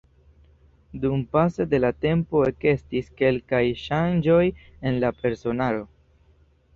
Dumpase de la tempo ekestis kelkaj ŝanĝoj en la personaro.